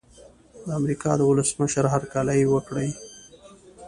د امریکا د ولسمشر هرکلی وکړي.